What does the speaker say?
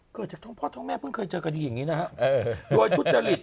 เกิดจากทั้งพ่อทั้งแม่เพิ่งเคยเจอกันอย่างนี้นะฮะ